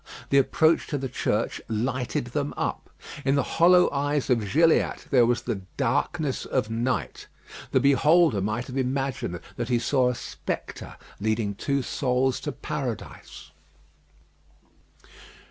The approach to the church lighted them up. In the hollow eyes of Gilliatt there was the darkness of night. The beholder might have imagined that he saw a spectre leading two souls to Paradise.